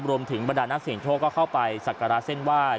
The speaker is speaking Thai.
รวมถึงบรรดาหน้าเสียงโทษก็เข้าไปสักการาเส้นไหว้